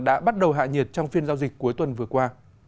đã bắt đầu hạ nhiệt trong phiên giao dịch cuối tuần vừa qua